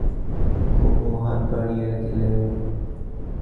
কুমু হাত বাড়িয়ে দিলে।